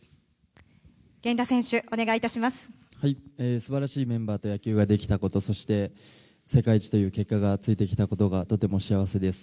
素晴らしいメンバーと野球ができたことそして、世界一という結果がついてきたことがとても幸せです。